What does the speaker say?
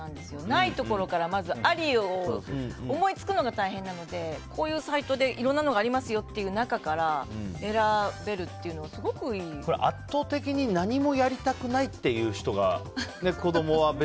ないところからありを思いつくのが大変なのでこういうサイトでいろんなものがありますよという中から圧倒的に何もやりたくないという人が子供は。